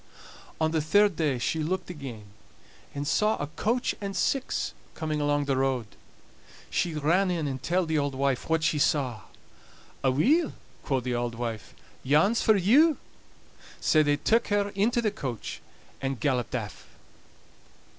On the third day she looked again, and saw a coach and six coming along the road. She ran in and telled the auld wife what she saw. "Aweel," quo' the auld wife, "yon's for you." Sae they took her into the coach, and galloped aff.